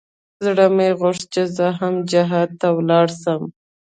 زړه مې غوښت چې زه هم جهاد ته ولاړ سم.